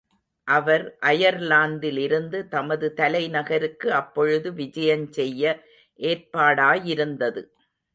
அவர் அயர்லாந்திலிருந்து தமது தலை நகருக்கு அப்பொழுது விஜயஞ்செய்ய ஏற்பாடாயிருந்தது.